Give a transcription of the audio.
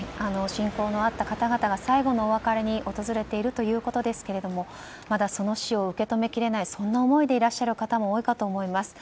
親交のあった方々が最後のお別れに訪れているということですがまだその死を受け止めきれないそんな思いでいる方も多いかと思います。